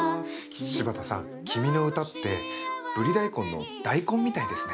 柴田さん君の歌ってブリ大根の大根みたいですね。